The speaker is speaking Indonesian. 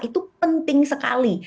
itu penting sekali